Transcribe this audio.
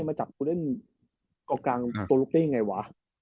มาจับกูเล่นกอกกางตัวลูกเล่นยังไงวะ